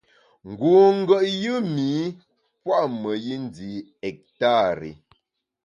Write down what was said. Ngu ngùet yùm ’i pua’ meyi ndi ektari.